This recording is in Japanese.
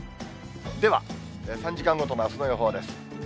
では、３時間ごとのあすの予報です。